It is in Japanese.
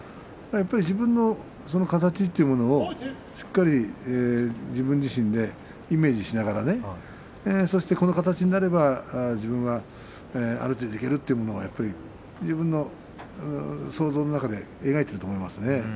自分の形というものをしっかり自分自身でイメージしながらそして、この形になれば自分はある程度いけるというものが自分の想像の中で描いていると思いますね。